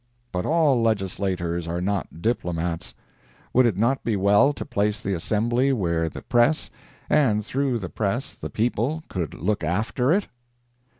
But all Legislators are not diplomats. Would it not be well to place the Assembly where the press, and through the press the people, could look after it?